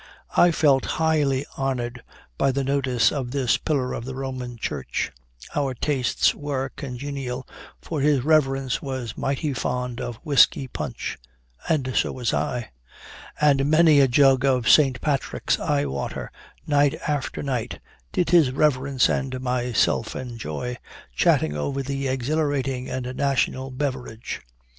I felt highly honored by the notice of this pillar of the Roman Church; our tastes were congenial, for his reverence was mighty fond of whisky punch, and so was I; and many a jug of Saint Patrick's eye water, night after night, did his Reverence and myself enjoy, chatting over the exhilarating and national beverage.